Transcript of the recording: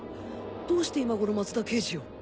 どうして今頃松田刑事を